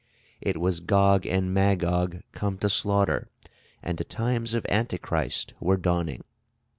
It was Gog and Magog come to slaughter, and the times of Antichrist were dawning.